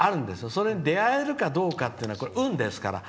それに出合えるかというのは運ですから。